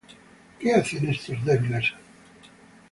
¿Qué hacen estos débiles Judíos?